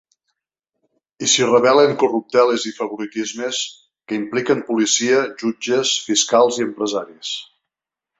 I s’hi revelen corrupteles i favoritismes que impliquen policia, jutges, fiscals i empresaris.